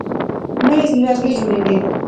مېز له لرګي جوړېږي.